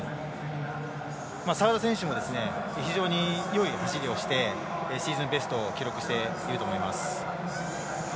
澤田選手も非常によい走りをしてシーズンベストを記録していると思います。